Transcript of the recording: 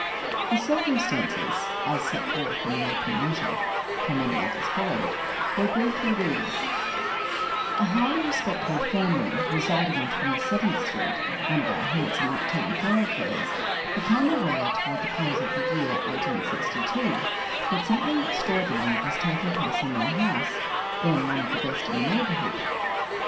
The circumstances, as set forth in the opening letter (for many others followed) were briefly these: A highly respectable family residing on Twenty seventh Street, one of our handsome up town thoroughfares, became aware, toward the close of the year 1862, that something extraordinary was taking place in their house, then one of the best in the neighborhood.